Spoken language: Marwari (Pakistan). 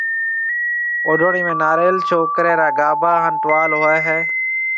اوڊوڻِي ۾ ناريل، ڇوڪرَي را گھاڀا ھان ٽوال ھوئي ھيََََ